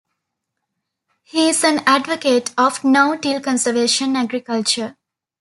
He is an advocate of no-till conservation agriculture.